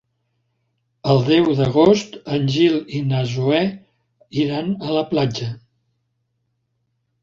El deu d'agost en Gil i na Zoè iran a la platja.